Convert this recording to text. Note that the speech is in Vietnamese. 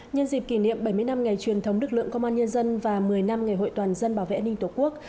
nhân dịp kỷ niệm bảy mươi năm ngày truyền thống lực lượng công an nhân dân và một mươi năm ngày hội toàn dân bảo vệ an ninh tổ quốc